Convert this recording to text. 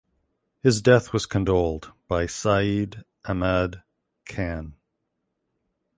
His death was condoled by Syed Ahmad Khan.